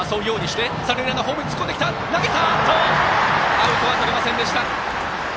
アウトはとれませんでした。